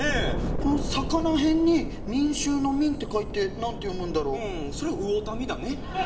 この魚偏に民衆の「民」って書いて何て読むんだろうそれ魚民だね